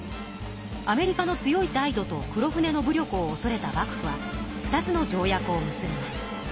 アメリカの強い態度と黒船の武力をおそれた幕府は２つの条約を結びます。